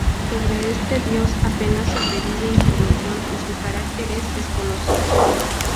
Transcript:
Sobre este dios apenas sobrevive información y su carácter es desconocido.